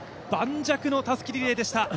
磐石のたすきリレーでした。